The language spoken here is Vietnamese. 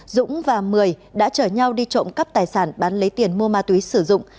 dũng và mười đã chở nhau đi trộm cắp tài sản bán lấy tiền mua ma túy sử dụng